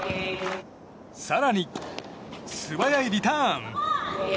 更に素早いリターン。